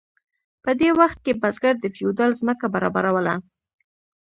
په دې وخت کې بزګر د فیوډال ځمکه برابروله.